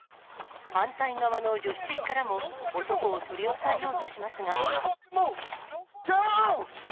反対側の助手席からも、男を取り押さえようとしますが。